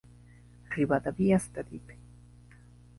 Rivadavia hasta Dip.